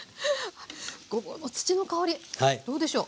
ごぼうの土の香りどうでしょう？